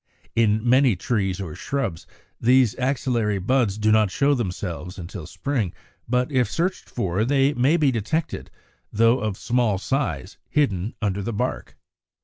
In many trees or shrubs these axillary buds do not show themselves until spring; but if searched for, they may be detected, though of small size, hidden under the bark.